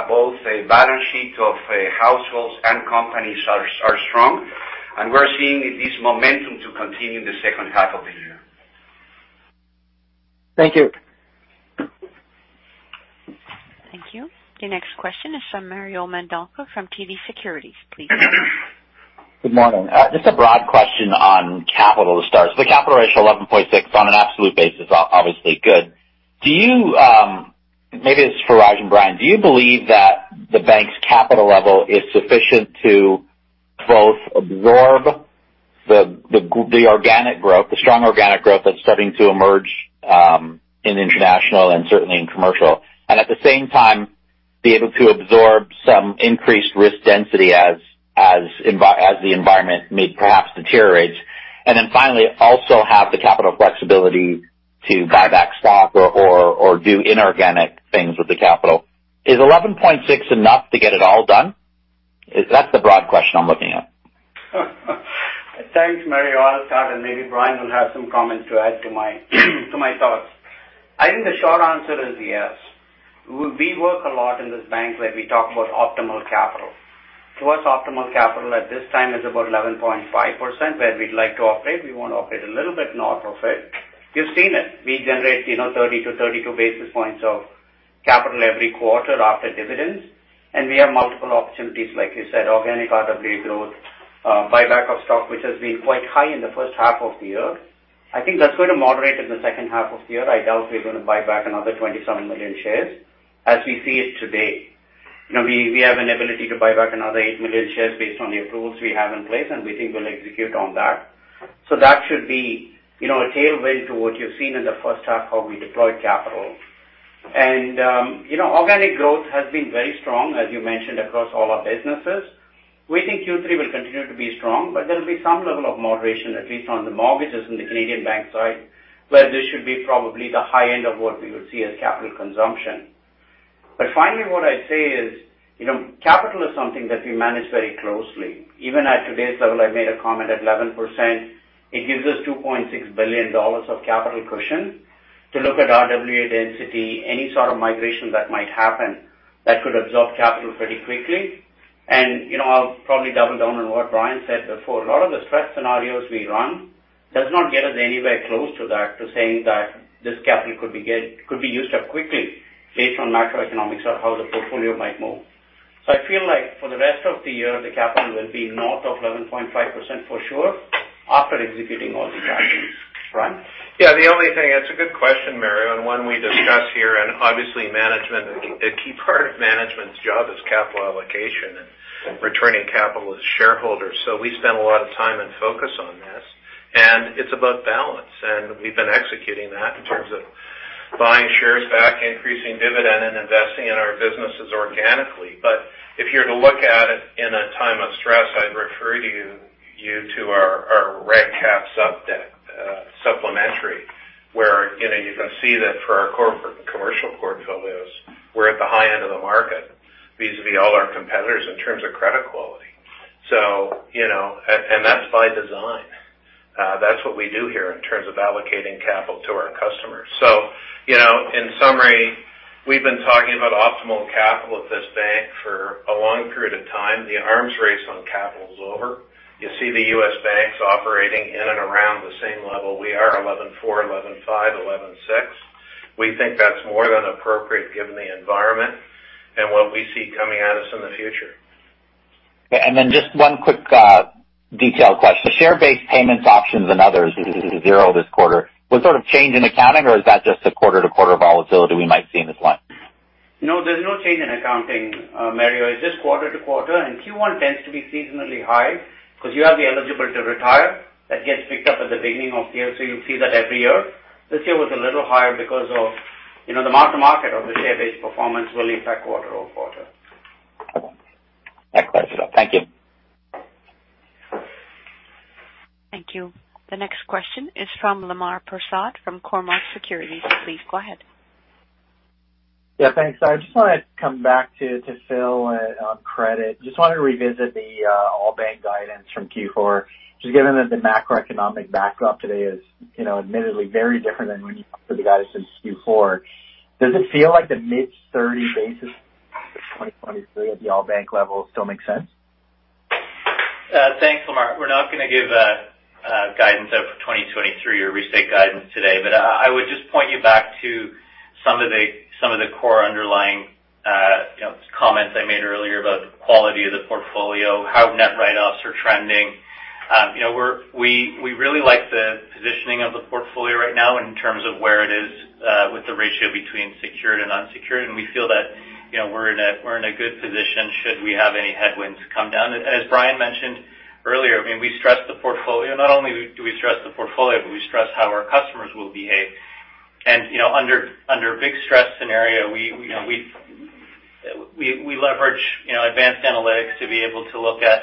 S3: both the balance sheet of households and companies are strong. We're seeing this momentum to continue in the second half of the year.
S10: Thank you.
S5: Thank you. Your next question is from Mario Mendonca from TD Securities. Please go ahead.
S11: Good morning. Just a broad question on capital to start. The capital ratio 11.6 on an absolute basis, obviously good. Do you, maybe this is for Raj and Brian. Do you believe that the bank's capital level is sufficient to both absorb the organic growth, the strong organic growth that's starting to emerge, in international and certainly in commercial. And at the same time, be able to absorb some increased risk density as the environment may perhaps deteriorates. And then finally, also have the capital flexibility to buy back stock or do inorganic things with the capital. Is 11.6 enough to get it all done? That's the broad question I'm looking at.
S3: Thanks, Mario. I'll start, and maybe Brian will have some comments to add to my thoughts. I think the short answer is yes. We work a lot in this bank where we talk about optimal capital. To us, optimal capital at this time is about 11.5% where we'd like to operate. We want to operate a little bit north of it. You've seen it. We generate, you know, 30-32 basis points of capital every quarter after dividends, and we have multiple opportunities, like you said, organic RWA growth, buyback of stock, which has been quite high in the first half of the year. I think that's going to moderate in the second half of the year. I doubt we're going to buy back another 27 million shares as we see it today. You know, we have an ability to buy back another 8 million shares based on the approvals we have in place, and we think we'll execute on that. That should be, you know, a tailwind to what you've seen in the first half, how we deployed capital. You know, organic growth has been very strong, as you mentioned, across all our businesses. We think Q3 will continue to be strong, but there'll be some level of moderation, at least on the mortgages in the Canadian bank side, where this should be probably the high end of what we would see as capital consumption. Finally, what I'd say is, you know, capital is something that we manage very closely. Even at today's level, I made a comment at 11%, it gives us 2.6 billion dollars of capital cushion to look at RWA density, any sort of migration that might happen that could absorb capital pretty quickly. You know, I'll probably double down on what Brian said before. A lot of the stress scenarios we run does not get us anywhere close to that, to saying that this capital could be used up quickly based on macroeconomics or how the portfolio might move. I feel like for the rest of the year, the capital will be north of 11.5% for sure after executing all the buybacks. Brian?
S2: Yeah. The only thing. It's a good question, Mario, and one we discuss here, and obviously management, a key part of management's job is capital allocation and returning capital to shareholders. We spend a lot of time and focus on this, and it's about balance. We've been executing that in terms of buying shares back, increasing dividend, and investing in our businesses organically. If you're to look at it in a time of stress, I'd refer you to our reg cap sup deck, supplementary, where you know you can see that for our corporate commercial portfolios, we're at the high end of the market vis-a-vis all our competitors in terms of credit quality. You know, and that's by design. That's what we do here in terms of allocating capital to our customers. You know, in summary, we've been talking about optimal capital at this bank for a long period of time. The arms race on capital is over. You see the U.S. banks operating in and around the same level we are, 11.4%, 11.5%, 11.6%. We think that's more than appropriate given the environment and what we see coming at us in the future.
S11: Just one quick, detailed question. The share-based payments, options, and others zero this quarter. Was there a change in accounting, or is that just a quarter-to-quarter volatility we might see in this line?
S3: No, there's no change in accounting, Mario. It's just quarter-over-quarter, and Q1 tends to be seasonally high because you have the eligible to retire. That gets picked up at the beginning of the year, so you see that every year. This year was a little higher because of, you know, the mark-to-market of the share-based performance will impact quarter-over-quarter.
S11: That clears it up. Thank you.
S5: Thank you. The next question is from Lemar Persaud from Cormark Securities. Please go ahead.
S12: Yeah. Thanks. I just want to come back to Phil on credit. Just wanted to revisit the all bank guidance from Q4. Just given that the macroeconomic backdrop today is, you know, admittedly very different than when you put the guidance in Q4, does it feel like the mid-30 basis for 2023 at the all bank level still makes sense?
S4: Thanks, Lemar. We're not going to give guidance out for 2023 or restate guidance today. I would just point you back to some of the core underlying, you know, comments I made earlier about the quality of the portfolio, how net write-offs are trending. You know, we really like the positioning of the portfolio right now in terms of where it is with the ratio between secured and unsecured. We feel that, you know, we're in a good position should we have any headwinds come down. As Brian mentioned earlier, I mean, we stress the portfolio. Not only do we stress the portfolio, but we stress how our customers will behave. You know, under a big stress scenario, we leverage advanced analytics to be able to look at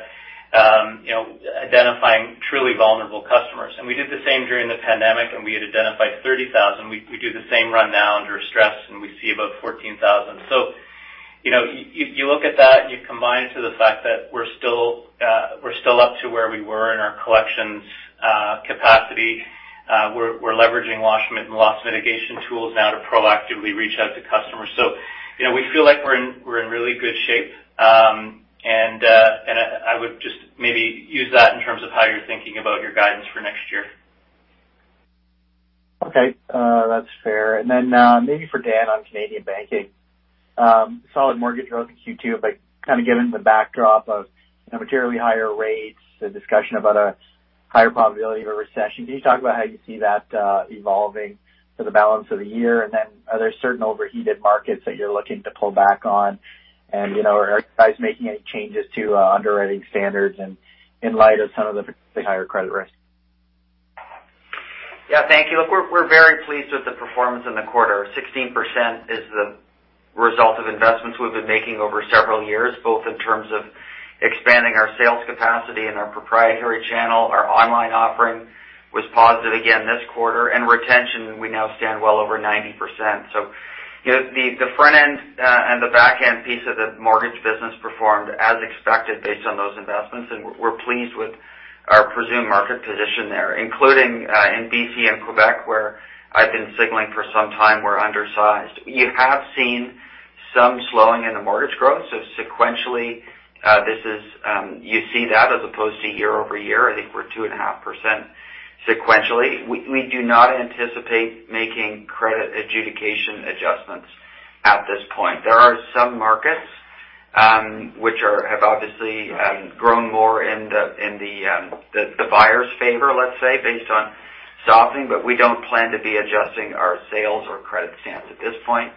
S4: identifying truly vulnerable customers. We did the same during the pandemic, and we had identified 30,000. We do the same run now under stress, and we see about 14,000. You know, you look at that and you combine it to the fact that we're still up to where we were in our collections capacity. We're leveraging loss mitigation tools now to proactively reach out to customers. You know, we feel like we're in really good shape. I would just maybe use that in terms of how you're thinking about your guidance for next year.
S12: Okay. That's fair. Maybe for Dan on Canadian Banking. Solid mortgage growth in Q2, but kind of given the backdrop of, you know, materially higher rates, the discussion about a higher probability of a recession, can you talk about how you see that evolving for the balance of the year? Are there certain overheated markets that you're looking to pull back on? You know, are you guys making any changes to underwriting standards and in light of some of the higher credit risks?
S9: Yeah, thank you. Look, we're very pleased with the performance in the quarter. 16% is the result of investments we've been making over several years, both in terms of expanding our sales capacity and our proprietary channel. Our online offering was positive again this quarter. Retention, we now stand well over 90%. The front end and the back end piece of the mortgage business performed as expected based on those investments, and we're pleased with our presumed market position there, including in BC and Quebec, where I've been signaling for some time we're undersized. You have seen some slowing in the mortgage growth. Sequentially, you see that as opposed to year-over-year. I think we're 2.5% sequentially. We do not anticipate making credit adjudication adjustments at this point. There are some markets which have obviously grown more in the buyer's favor, let's say, based on softening, but we don't plan to be adjusting our sales or credit stance at this point.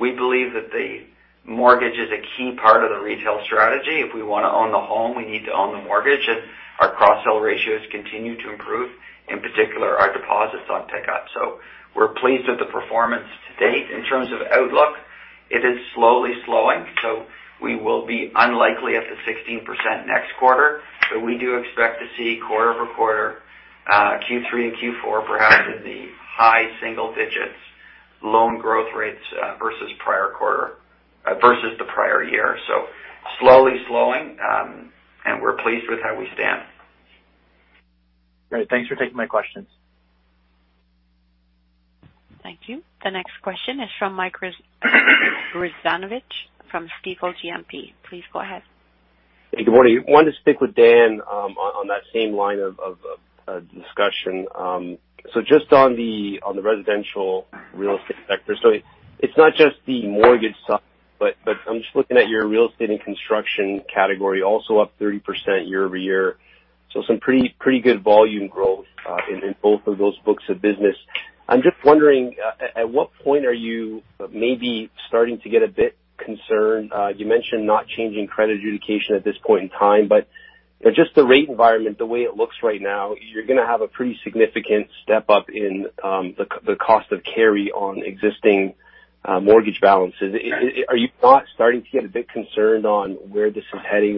S9: We believe that the mortgage is a key part of the retail strategy. If we wanna own the home, we need to own the mortgage, and our cross-sell ratios continue to improve, in particular, our deposits on pickup. We're pleased with the performance to date. In terms of outlook, it is slowly slowing, so we will be unlikely at the 16% next quarter. We do expect to see quarter-over-quarter, Q3 and Q4, perhaps in the high single digits, loan growth rates versus the prior year. Slowly slowing, and we're pleased with how we stand.
S12: Great. Thanks for taking my questions.
S5: Thank you. The next question is from Mike Rizvanovic from Stifel GMP. Please go ahead.
S13: Hey, good morning. Wanted to stick with Dan, on that same line of discussion. Just on the residential real estate sector. It's not just the mortgage side, but I'm just looking at your real estate and construction category, also up 30% year-over-year. Some pretty good volume growth, in both of those books of business. I'm just wondering, at what point are you maybe starting to get a bit concerned? You mentioned not changing credit adjudication at this point in time, but, you know, just the rate environment, the way it looks right now, you're gonna have a pretty significant step up in the cost of carry on existing, mortgage balances. Are you not starting to get a bit concerned on where this is heading?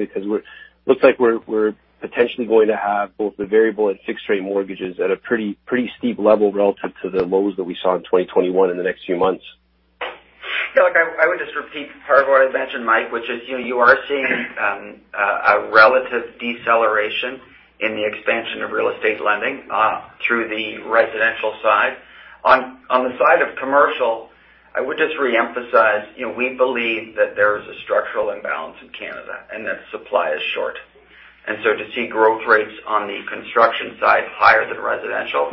S13: Looks like we're potentially going to have both the variable and fixed rate mortgages at a pretty steep level relative to the lows that we saw in 2021 in the next few months.
S9: Yeah. Look, I would just repeat part of what I mentioned, Mike, which is, you know, you are seeing a relative deceleration in the expansion of real estate lending through the residential side. On the side of commercial, I would just reemphasize, you know, we believe that there is a structural imbalance in Canada and that supply is short. To see growth rates on the construction side higher than residential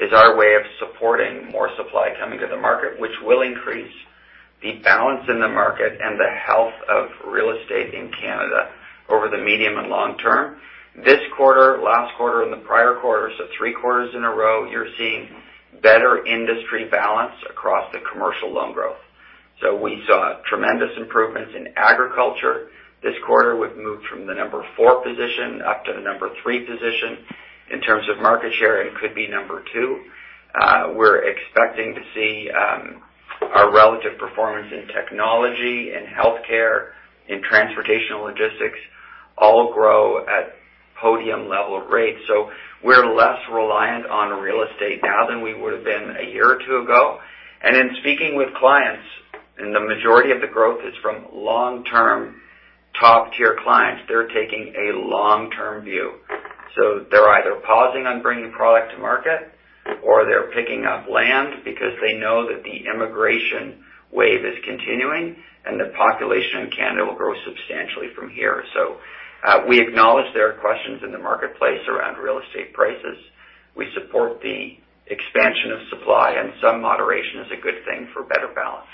S9: is our way of supporting more supply coming to the market, which will increase the balance in the market and the health of real estate in Canada over the medium and long term. This quarter, last quarter and the prior quarter, so three quarters in a row, you're seeing better industry balance across the commercial loan growth. We saw tremendous improvements in agriculture. This quarter, we've moved from the number four position up to the number three position in terms of market share, and could be number two. We're expecting to see our relative performance in technology and healthcare, in transportation and logistics all grow at podium level rates. We're less reliant on real estate now than we would've been a year or two ago. In speaking with clients, the majority of the growth is from long term top tier clients, they're taking a long term view. They're either pausing on bringing product to market or they're picking up land because they know that the immigration wave is continuing and the population in Canada will grow substantially from here. We acknowledge there are questions in the marketplace around real estate prices. We support the expansion of supply and some moderation is a good thing for better balance.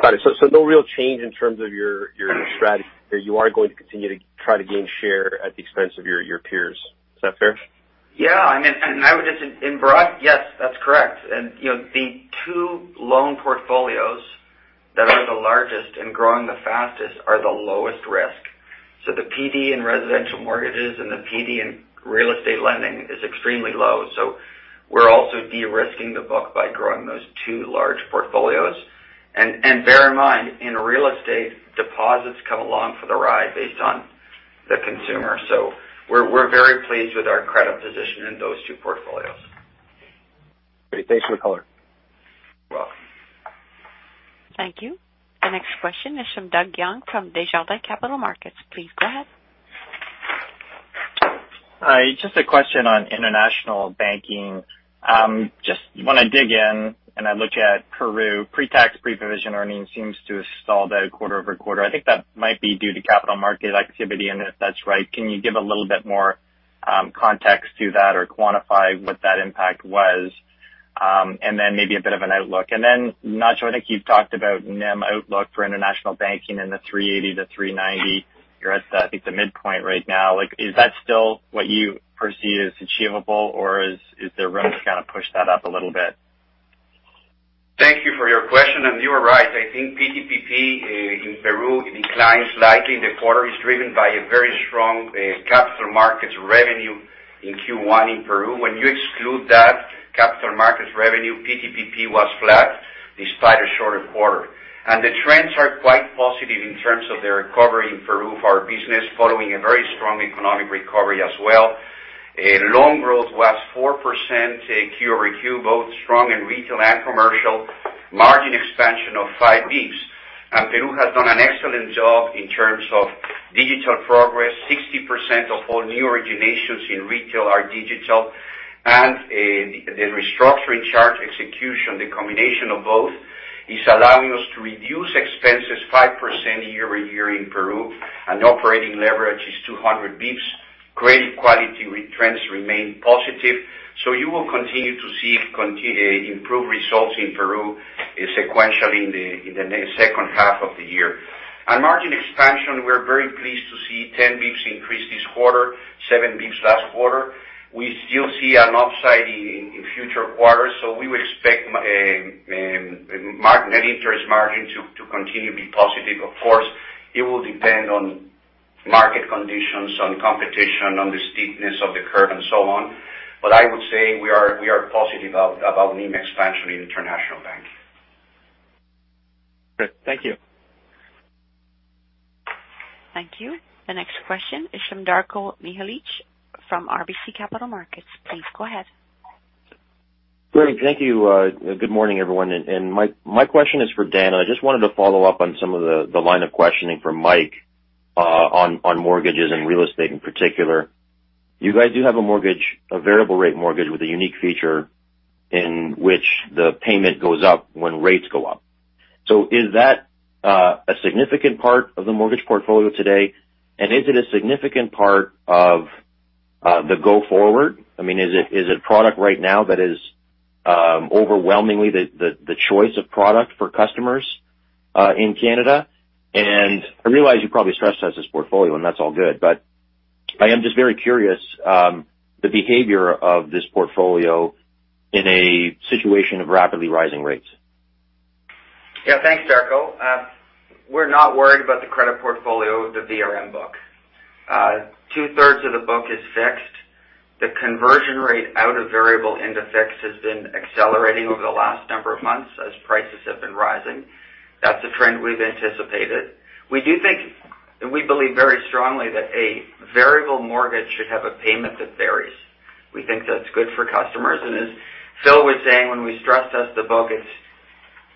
S13: Got it. No real change in terms of your strategy. You are going to continue to try to gain share at the expense of your peers. Is that fair?
S9: In broad, yes, that's correct. You know, the two loan portfolios that are the largest and growing the fastest are the lowest risk. The PD in residential mortgages and the PD in real estate lending is extremely low. We're also de-risking the book by growing those two large portfolios. Bear in mind, in real estate, deposits come along for the ride based on the consumer. We're very pleased with our credit position in those two portfolios.
S13: Great. Thanks for the color.
S5: Thank you. The next question is from Doug Young from Desjardins Capital Markets. Please go ahead.
S14: Hi, just a question on international banking. Just when I dig in and I look at Peru, pre-tax, pre-provision earnings seems to have stalled out quarter-over-quarter. I think that might be due to capital market activity. If that's right, can you give a little bit more context to that or quantify what that impact was? Maybe a bit of an outlook. Not sure, I think you've talked about NIM outlook for international banking in the 3.80%-3.90%. You're at, I think, the midpoint right now. Like, is that still what you perceive as achievable or is there room to kind of push that up a little bit?
S15: Thank you for your question. You are right. I think PTPP in Peru declines slightly in the quarter. It's driven by a very strong capital markets revenue in Q1 in Peru. When you exclude that capital markets revenue, PTPP was flat despite a shorter quarter. The trends are quite positive in terms of the recovery in Peru for our business, following a very strong economic recovery as well. Loan growth was 4% quarter-over-quarter, both strong in retail and commercial. Margin expansion of five basis points. Peru has done an excellent job in terms of digital progress. 60% of all new originations in retail are digital. The restructuring charge execution, the combination of both is allowing us to reduce expenses 5% year over year in Peru, and operating leverage is 200 basis points. Credit quality trends remain positive. You will continue to see improved results in Peru sequentially in the second half of the year. On margin expansion, we're very pleased to see 10 basis points increase this quarter, 7 basis points last quarter. We still see an upside in future quarters, so we will expect net interest margin to continue to be positive. Of course, it will depend on market conditions, on competition, on the steepness of the curve and so on. I would say we are positive about NIM expansion in international banking.
S14: Great. Thank you.
S5: Thank you. The next question is from Darko Mihelic from RBC Capital Markets. Please go ahead.
S16: Great. Thank you. Good morning, everyone. My question is for Dan. I just wanted to follow up on some of the line of questioning from Mike on mortgages and real estate in particular. You guys do have a mortgage, a variable rate mortgage with a unique feature in which the payment goes up when rates go up. Is that a significant part of the mortgage portfolio today? Is it a significant part of the go forward? I mean, is it product right now that is overwhelmingly the choice of product for customers in Canada? I realize you probably stress test this portfolio, and that's all good, but I am just very curious the behavior of this portfolio in a situation of rapidly rising rates.
S9: Yeah. Thanks, Darko. We're not worried about the credit portfolio, the VRM book. Two-thirds of the book is fixed. The conversion rate out of variable into fixed has been accelerating over the last number of months as prices have been rising. That's a trend we've anticipated. We do think and we believe very strongly that a variable mortgage should have a payment that varies. We think that's good for customers. As Phil was saying, when we stress test the book, it's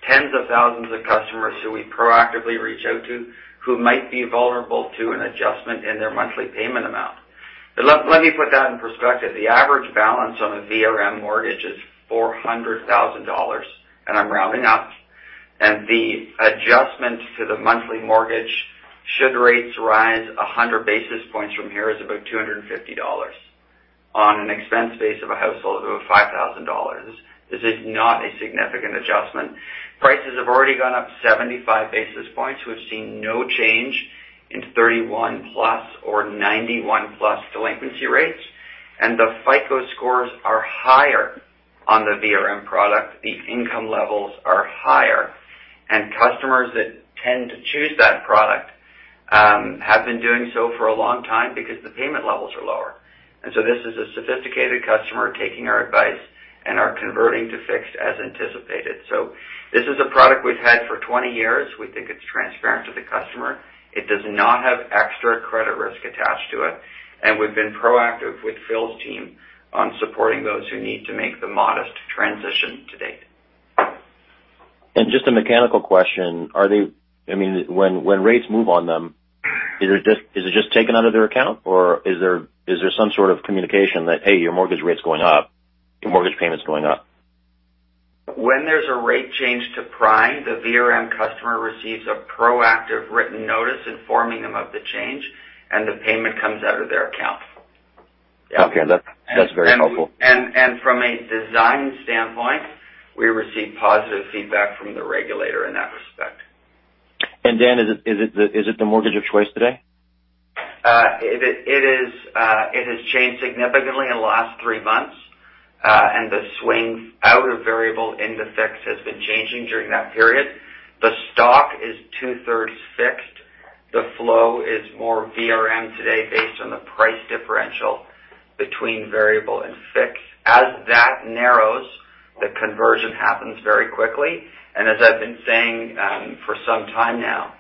S9: tens of thousands of customers who we proactively reach out to who might be vulnerable to an adjustment in their monthly payment amount. Let me put that in perspective. The average balance on a VRM mortgage is 400,000 dollars, and I'm rounding up. The adjustment to the monthly mortgage should rates rise 100 basis points from here is about 250 dollars on an expense base of a household of 5,000 dollars. This is not a significant adjustment. Prices have already gone up 75 basis points. We've seen no change in 31+ or 91+ delinquency rates. The FICO scores are higher on the VRM product. The income levels are higher. Customers that tend to choose that product have been doing so for a long time because the payment levels are lower. This is a sophisticated customer taking our advice and are converting to fixed as anticipated. This is a product we've had for 20 years. We think it's transparent to the customer. It does not have extra credit risk attached to it, and we've been proactive with Phil's team on supporting those who need to make the modest transition to date.
S16: Just a mechanical question. Are they, I mean, when rates move on them, is it just taken out of their account, or is there some sort of communication that, "Hey, your mortgage rate's going up. Your mortgage payment's going up"?
S9: When there's a rate change to prime, the VRM customer receives a proactive written notice informing them of the change, and the payment comes out of their account. Yeah.
S16: Okay. That's very helpful.
S9: From a design standpoint, we receive positive feedback from the regulator in that respect.
S16: Dan, is it the mortgage of choice today?
S9: It has changed significantly in the last three months, and the swing out of variable into fixed has been changing during that period. The stock is 2/3 fixed. The flow is more VRM today based on the price differential between variable and fixed. As that narrows, the conversion happens very quickly. As I've been saying, for some time now,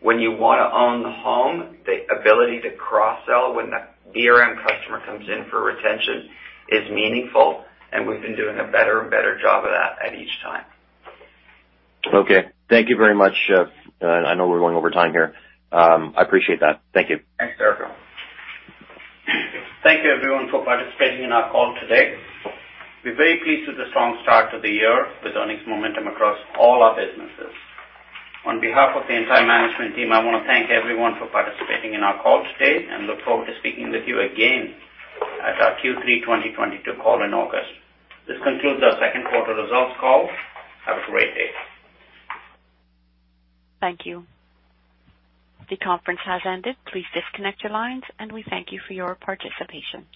S9: when you wanna own the home, the ability to cross-sell when that VRM customer comes in for retention is meaningful, and we've been doing a better and better job of that at each time.
S16: Okay. Thank you very much. I know we're going over time here. I appreciate that. Thank you.
S9: Thanks, Darko.
S15: Thank you everyone for participating in our call today. We're very pleased with the strong start to the year, with earnings momentum across all our businesses. On behalf of the entire management team, I want to thank everyone for participating in our call today and look forward to speaking with you again at our Q3 2022 call in August. This concludes our second quarter results call. Have a great day.
S5: Thank you. The conference has ended. Please disconnect your lines, and we thank you for your participation.